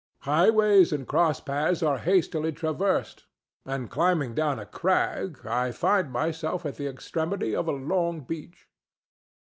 Highways and cross paths are hastily traversed, and, clambering down a crag, I find myself at the extremity of a long beach.